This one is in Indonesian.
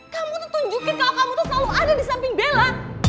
kamu tuh tunjukin kalau kamu tuh selalu ada di samping bella